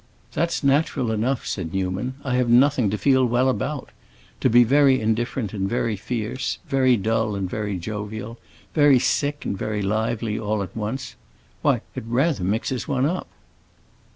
"That's natural enough," said Newman. "I have nothing to feel well about. To be very indifferent and very fierce, very dull and very jovial, very sick and very lively, all at once,—why, it rather mixes one up."